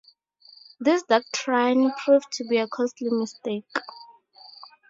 This doctrine proved to be a costly mistake.